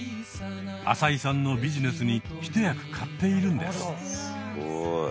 浅井さんのビジネスに一役買っているんです。